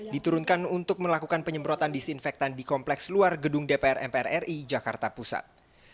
diturunkan untuk melakukan penyemprotan disinfektan di kompleks luar gedung dpr mpr ri jakarta pusat